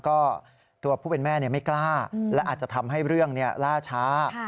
ก็ตัวผู้เป็นแม่ไม่กล้าและอาจจะทำให้เรื่องล่าช้า